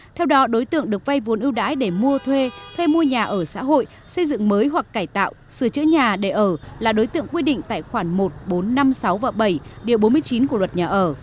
theo đó đối tượng được vay vốn ưu đãi để mua thuê thuê mua nhà ở xã hội xây dựng mới hoặc cải tạo sửa chữa nhà để ở là đối tượng quy định tại khoản một nghìn bốn trăm năm mươi sáu và bảy điều bốn mươi chín của luật nhà ở